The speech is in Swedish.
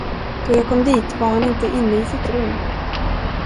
Då jag kom dit var han inte inne i sitt rum.